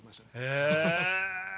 へえ！